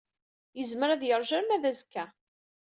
Yezmer ad yeṛju arma d azekka.